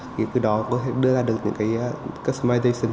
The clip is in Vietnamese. thì từ đó có thể đưa ra được những cái customization